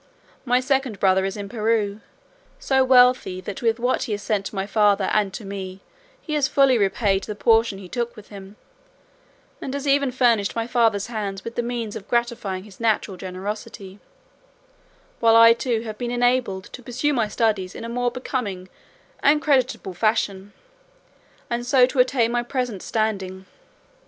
My second brother is in Peru, so wealthy that with what he has sent to my father and to me he has fully repaid the portion he took with him, and has even furnished my father's hands with the means of gratifying his natural generosity, while I too have been enabled to pursue my studies in a more becoming and creditable fashion, and so to attain my present standing.